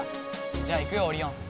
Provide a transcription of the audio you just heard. じゃあ行くよオリオン！